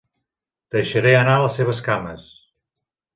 Deixaré anar les seves cames.